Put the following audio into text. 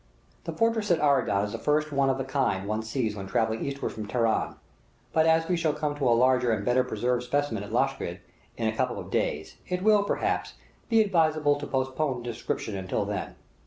The fortress at Aradan is the first one of the kind one sees when travelling eastward from Teheran, but as we shall come to a larger and better preserved specimen at Lasgird, in a couple of days, it will, perhaps, be advisable to postpone a description till then.